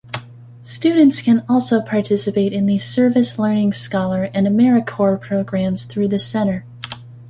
Students can also participate in the Service-Learning Scholar and AmeriCorps programs through the center.